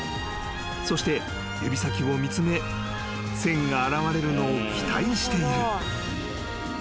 ［そして指先を見つめ線が現れるのを期待している］